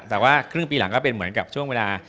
แต่ว่าครึ่งปีหลังก็เป็นเหมือนกับช่วงเวลา